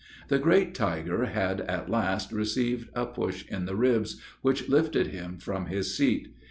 The great tiger had, at last, received a push in the ribs, which lifted him from his seat.